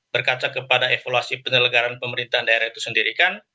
berkaca kepada evaluasi penyelenggaran pemerintahan daerah itu sendiri kan